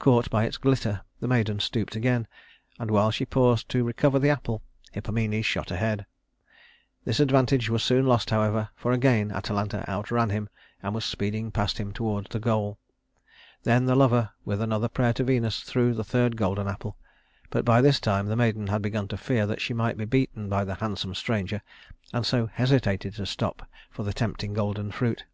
Caught by its glitter the maiden stooped again, and while she paused to recover the apple, Hippomenes shot ahead. This advantage was soon lost, however, for again Atalanta outran him and was speeding past him toward the goal. Then the lover, with another prayer to Venus, threw the third golden apple; but by this time the maiden had begun to fear that she might be beaten by the handsome stranger, and so hesitated to stop for the tempting golden fruit.